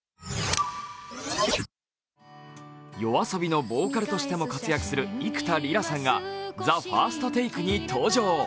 ＹＯＡＳＯＢＩのボーカルとしても活躍する幾田りらさんが「ＴＨＥＦＩＲＳＴＴＡＫＥ」に登場。